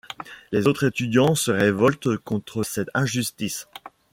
Les autres étudiants se révoltent contre cette injustice.